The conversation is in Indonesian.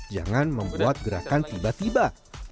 jangan membuat gerakan tiba tiba